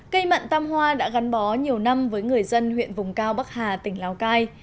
cây mận tâm hoa đã gắn bó nhiều năm với người dân huyện vùng cao bắc hà tỉnh lào cai